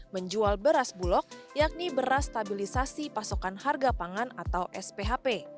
menjual beras bulog yakni beras stabilisasi pasokan harga pangan atau sphp